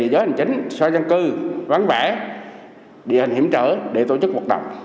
địa giới hành chính xã dân cư ván vẽ địa hình hiểm trở để tổ chức hoạt động